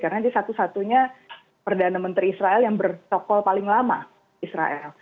karena dia satu satunya perdana menteri israel yang bertokol paling lama israel